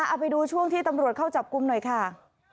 เอาไปดูช่วงที่ตำรวจเข้าจับกลุ่มหน่อยค่ะ